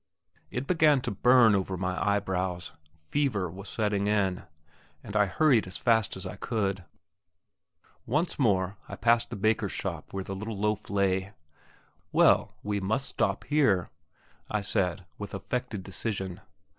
It began to burn over my eyebrows fever was setting in, and I hurried as fast as I could. Once more I passed the baker's shop where the little loaf lay. "Well, we must stop here!" I said, with affected decision.